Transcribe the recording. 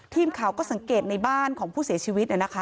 ทีมข่าวก็สังเกตในบ้านของผู้เสียชีวิต